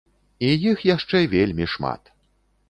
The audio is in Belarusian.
І іх яшчэ вельмі шмат.